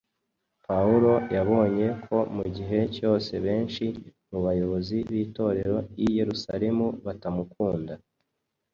Pawulo yabonye ko mu gihe cyose benshi mu bayobozi b’Itorero i Yerusalemu batamukunda